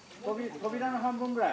扉の半分ぐらい？